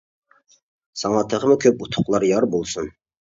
ساڭا تېخىمۇ كۆپ ئۇتۇقلار يار بولسۇن.